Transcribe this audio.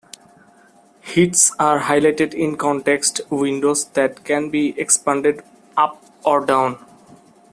Hits are highlighted in context windows that can be expanded up or down.